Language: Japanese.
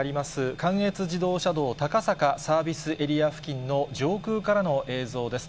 関越自動車道高坂サービスエリア付近の上空からの映像です。